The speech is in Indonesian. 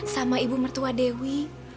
sama ibu mertua dewi